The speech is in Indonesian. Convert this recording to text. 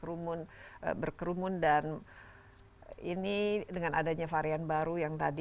rumun berkerumun dan ini dengan adanya varian baru yang tadi